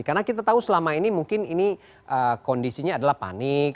karena kita tahu selama ini mungkin kondisinya adalah panik